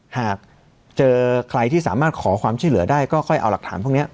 หากเจอใครที่สามารถขอความช่วยเหลือได้ก็ค่อยเอาหลักฐานพวกนี้